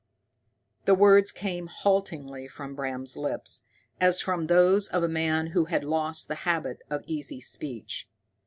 The words came haltingly from Bram's lips, as from those of a man who had lost the habit of easy speech.